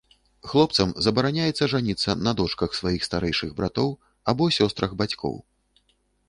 Хлопцам забараняецца жаніцца на дочках сваіх старэйшых братоў або сёстрах бацькоў.